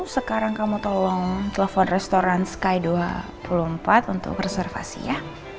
sekarang kamu tolong telepon restoran sky dua puluh empat untuk reservasi ya